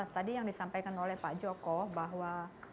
tadi yang disampaikan oleh pak joko bahwa